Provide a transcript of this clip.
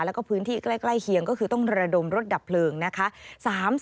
แล้วก็พื้นที่ใกล้เคียงก็คือต้องระดมรถดับเพลิงนะคะ